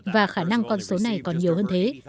và khả năng con số này còn nhiều hơn thế